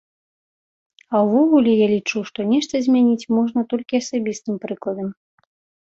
А ўвогуле я лічу, што нешта змяніць можна толькі асабістым прыкладам.